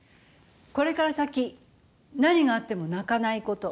これから先何があっても泣かないこと。